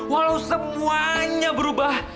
walau semuanya berubah